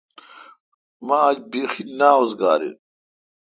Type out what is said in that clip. مہ آج بیہی نا اوزگار این